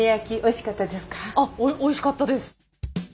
あっおいしかったです。